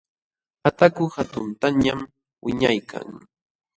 Ataku hatuntañam wiñaykan.